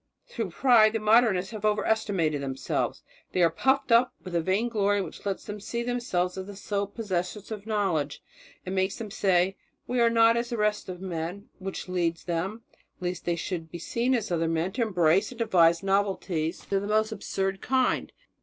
Through pride the Modernists have overestimated themselves. They are puffed up with a vainglory which lets them see themselves as the sole possessors of knowledge, and makes them say, 'We are not as the rest of men'; which leads them, lest they should seem as other men, to embrace and to devise novelties of the most absurd kind.